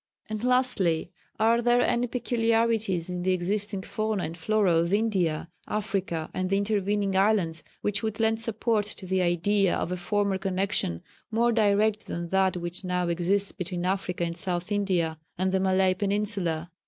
And, lastly, are there any peculiarities in the existing fauna and flora of India, Africa and the intervening islands which would lend support to the idea of a former connexion more direct than that which now exists between Africa and South India and the Malay peninsula?